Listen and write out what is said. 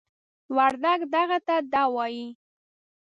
وردگ "دغه" ته "دَ" وايي.